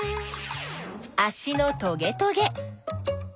あしのトゲトゲ。